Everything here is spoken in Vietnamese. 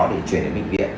để chuyển đến bệnh viện